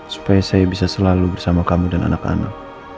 supaya saya bisa selalu bersama kamu dan anak anak